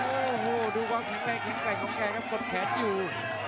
โอ้โหดูความแข็งแรงแข็งแกร่งของแกครับกดแขนอยู่